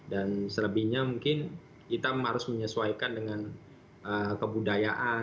dan selebihnya mungkin kita harus menyesuaikan dengan kebudayaan